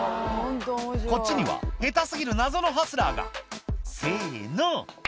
こっちには下手過ぎる謎のハスラーが「せの！」